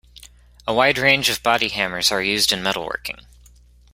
A wide range of body hammers are used in metalworking.